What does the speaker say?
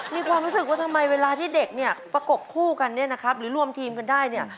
มีความรู้สึกว่าทำไมเวลาให้เด็กประกบคู่กันนะครับลวมทีมกันได้เนี่ย